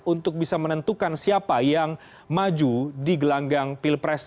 untuk bisa menentukan siapa yang maju di gelanggang pilpres